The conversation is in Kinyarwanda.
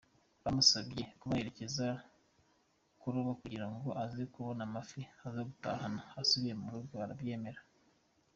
Bamusabye kubaherekeza kuroba kugira ngo aze kubona amafi aza gutahana asubiye mu rugo, arabyemera.